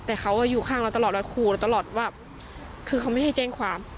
แต่เขาอยู่ข้างเราตลอดเราขู่เราตลอดว่าคือเขาไม่ให้แจ้งความ